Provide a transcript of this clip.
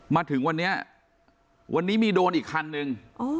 มาถึงวันนี้วันนี้มีโดรนอีกคันนึง